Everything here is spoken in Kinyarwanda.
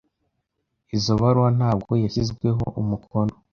Izoi baruwa ntabwo yashyizweho umukono.